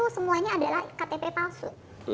semuanya adalah ktp palsu